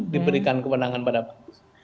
diberikan kebenangan pada pak agus